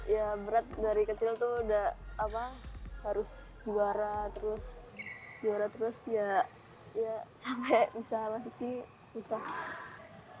ya berat dari kecil tuh udah apa harus juara terus juara terus ya ya sampai bisa masuk ke usaha